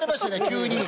急に。